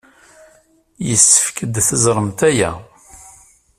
Yessefk ad teẓremt aya.